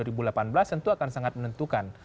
itu akan sangat menentukan